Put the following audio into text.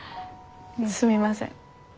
すみません。